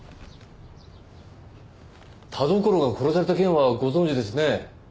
田所が殺された件はご存じですね？